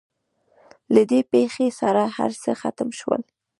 له دې پېښې سره هر څه ختم شول.